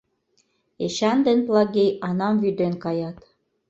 Эчан ден Плагий Анам вӱден каят.